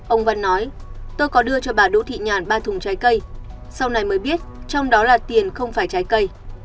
ông văn nói tôi có đưa cho bà đỗ thị nhàn ba thùng trái cây sau này mới biết trong đó là tiền không phải trái cây